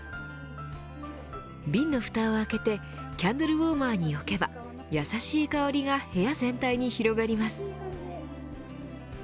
瓶のふたを開けてキャンドルウォーマーに置けばやさしい香りが部屋全体に広がります。